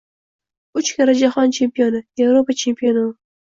Uch karra jahon chempioni, Yevropa chempioni u.